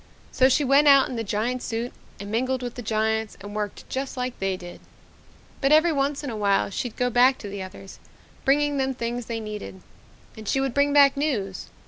So she went out in the giant suit and mingled with the giants and worked just like they did. "But every once in a while she'd go back to the others, bringing them things they needed. And she would bring back news.